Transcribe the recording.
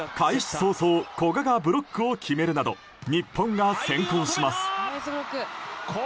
早々古賀がブロックを決めるなど日本が先行します。